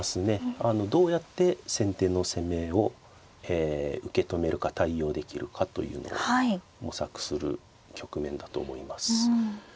どうやって先手の攻めを受け止めるか対応できるかというのを模索する局面だと思います。